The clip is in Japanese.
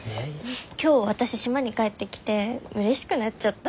今日私島に帰ってきてうれしくなっちゃった。